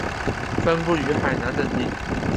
分布于海南等地。